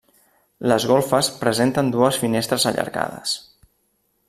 Les golfes presenten dues finestres allargades.